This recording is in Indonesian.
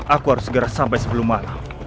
aku harus segera sampai sepuluh malam